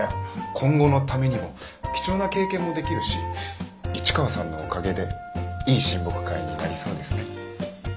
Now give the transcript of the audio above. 今後のためにも貴重な経験もできるし市川さんのおかげでいい親睦会になりそうですね。